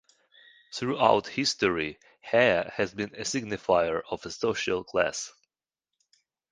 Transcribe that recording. Throughout history, hair has been a signifier of social class.